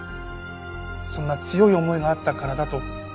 そんな強い思いがあったからだと僕は思います。